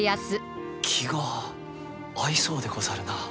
気が合いそうでござるなあ。